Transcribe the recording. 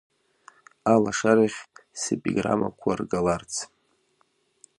Алашарахь Сепиграммақәа ргаларц…